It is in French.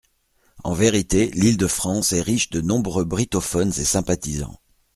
En vérité, l’Île-de-France est riche de nombreux brittophones et sympathisants.